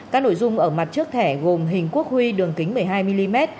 các nội dung ở mặt trước thẻ gồm hình quốc huy đường kính một mươi hai mm